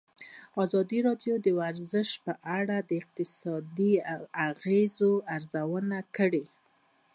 ازادي راډیو د ورزش په اړه د اقتصادي اغېزو ارزونه کړې.